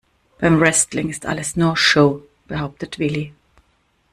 Beim Wrestling ist alles nur Show, behauptet Willi.